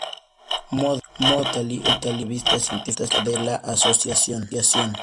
Modern Italy es la revista científica de la Asociación.